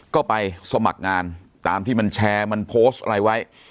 ก็ไปสมัครงานตามที่มันแชร์มันโพสต์อะไรไว้